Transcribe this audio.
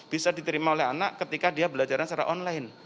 bisa diterima oleh anak ketika dia belajarnya secara online